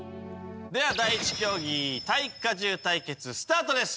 では第１競技耐荷重対決スタートです。